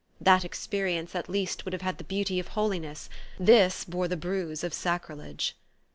That experience, at least, would have had the beauty of holiness : this bore the bruise of sacrilege.